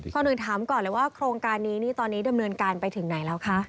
ก่อนอื่นถามก่อนเลยว่าโครงการนี้นี่ตอนนี้ดำเนินการไปถึงไหนแล้วคะ